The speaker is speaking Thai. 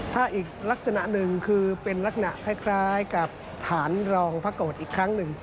ถ้าอีกลักษณะหนึ่งคือเป็นลักษณะคล้ายกับฐานรองพระโกรธอีกครั้งหนึ่ง